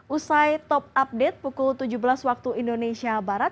usai top update pukul tujuh belas waktu indonesia barat